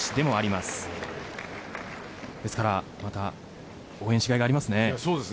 また応援しがいがありますね。